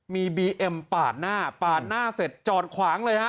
มีบีเอ็มปาดหน้าปาดหน้าเสร็จจอดขวางเลยฮะ